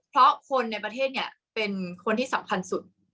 เพราะคนในประเทศเนี่ยเป็นคนที่สำคัญสุด